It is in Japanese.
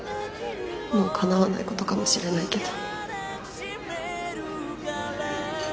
もうかなわないことかもしれないけど